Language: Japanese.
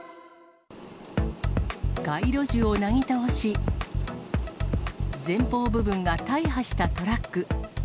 街路樹をなぎ倒し、前方部分が大破したトラック。